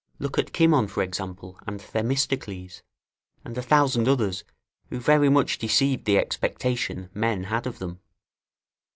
Look at Cimon, for example, and Themistocles, and a thousand others, who very much deceived the expectation men had of them.